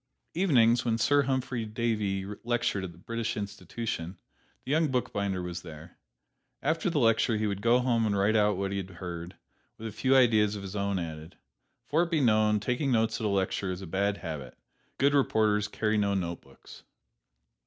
Evenings, when Sir Humphry Davy lectured at the British Institution, the young bookbinder was there. After the lecture he would go home and write out what he had heard, with a few ideas of his own added. For be it known, taking notes at a lecture is a bad habit good reporters carry no notebooks.